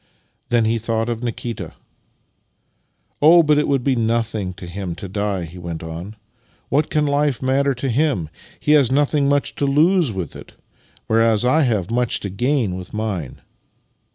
Then he thought of Nikita " Oh, but it would be nothing to him to die," he went on. " What can his life matter to him? He has nothing much to lose with it, whereas 1 have much to gain with mine."